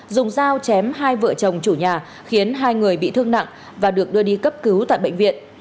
dùng dao chém hai vợ chồng chủ nhà khiến hai người bị thương nặng và được đưa đi cấp cứu tại bệnh viện